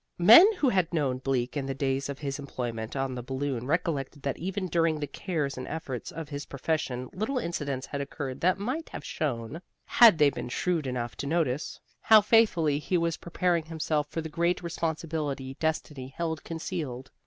Men who had known Bleak in the days of his employment on the Balloon recollected that even during the cares and efforts of his profession little incidents had occurred that might have shown (had they been shrewd enough to notice) how faithfully he was preparing himself for the great responsibility destiny held concealed.